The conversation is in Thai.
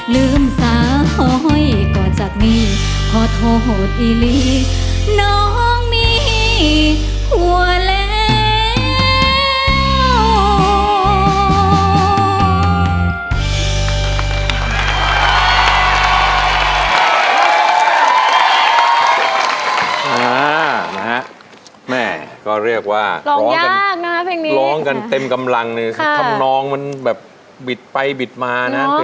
ลืมสาวหอยก่อนจากนี้ขอโทษอีลีน้องมีหัวแรง